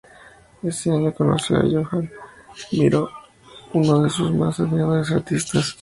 Ese año conoció a Joan Miró, uno de sus más admirados artistas.